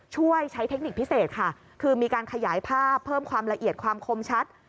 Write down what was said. ช่วยใช้เทคนิคพิเศษค่ะคือมีการขยายภาพเพิ่มความละเอียดความคมชัด